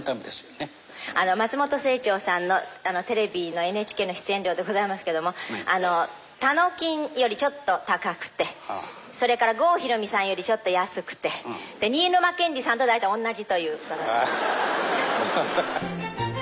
松本清張さんのテレビのＮＨＫの出演料でございますけどもたのきんよりちょっと高くてそれから郷ひろみさんよりちょっと安くてで新沼謙治さんと大体同じという。